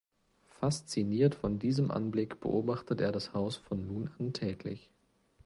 Fasziniert von diesem Anblick beobachtet er das Haus von nun an täglich.